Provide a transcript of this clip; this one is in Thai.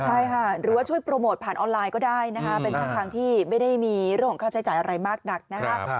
ใช่ค่ะหรือว่าช่วยโปรโมทผ่านออนไลน์ก็ได้นะคะเป็นช่องทางที่ไม่ได้มีเรื่องของค่าใช้จ่ายอะไรมากนักนะครับ